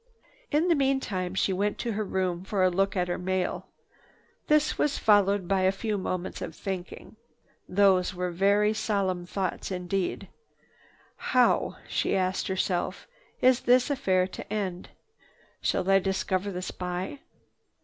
In the meantime she went to her room for a look at her mail. This was followed by a few moments of thinking. Those were very solemn thoughts indeed. "How," she asked herself, "is this affair to end? Shall I discover the spy?